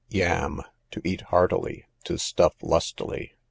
Yam, to eat heartily, to stuff lustily.